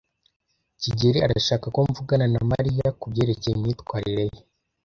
kigeli arashaka ko mvugana na Mariya kubyerekeye imyitwarire ye.